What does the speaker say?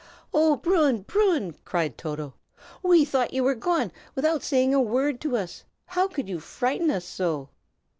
"Oh, Bruin, Bruin!" cried Toto, "we thought you were gone, without saying a word to us. How could you frighten us so?"